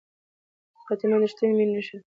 فاطمه د ریښتینې مینې نښه ده.